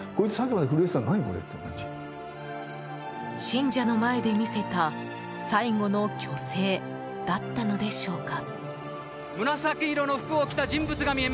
信者の前で見せた最後の虚勢だったのでしょうか。